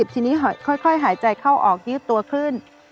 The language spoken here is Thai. ทีนี้ค่อยหายใจเข้าออกยืดตัวขึ้น